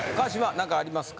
何かありますか？